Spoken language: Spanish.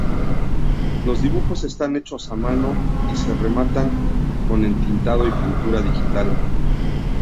Los dibujos están hechos a mano y se rematan con entintado y pintura digital.